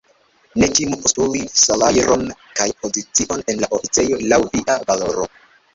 Ne timu postuli salajron kaj pozicion en la oficejo laŭ via valoro.